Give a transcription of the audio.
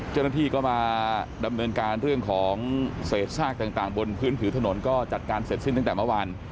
เจ้าหน้าที่ก็มาดำเนินการเรื่องของเศษซากต่างบนพื้นผิวถนนก็จัดการเสร็จสิ้นตั้งแต่เมื่อวาน